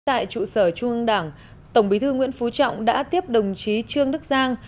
tại trụ sở trung ương đảng tổng bí thư nguyễn phú trọng đã tiếp đồng chí trương đức giang